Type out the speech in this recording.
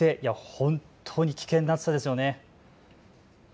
本当に危険な暑さですよね。